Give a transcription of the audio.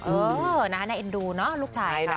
เออหน้าอินดูลูกชาย